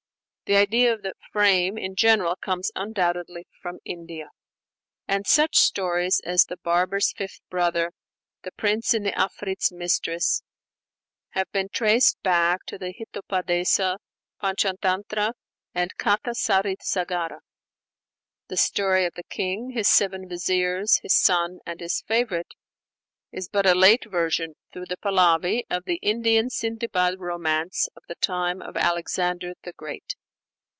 The idea of the "frame" in general comes undoubtedly from India; and such stories as 'The Barber's Fifth Brother,' 'The Prince and the Afrit's Mistress,' have been "traced back to the Hitopadesa, Panchatantra, and Katha Sarit Sagara." The 'Story of the King, his Seven Viziers, his Son, and his Favorite,' is but a late version, through the Pahlavi, of the Indian Sindibad Romance of the time of Alexander the Great.